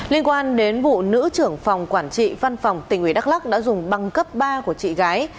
liên quan đến vụ nữ trưởng phòng quản trị văn phòng tỉnh ủy đắk lắc đã dùng băng cấp ba của chị gái